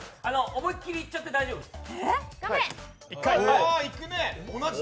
思い切りいっちゃって大丈夫です。